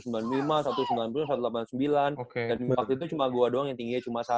dan waktu itu cuma gua doang yang tingginya cuma satu ratus tujuh puluh delapan